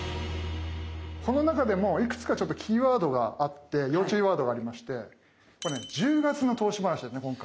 この中でもいくつかちょっとキーワードがあって要注意ワードがありましてこれね１０月の投資話ですね今回。